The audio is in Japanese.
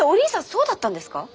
そうだったんですか？